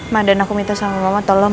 mah dan aku minta sama mama tolong